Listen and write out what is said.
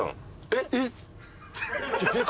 えっ！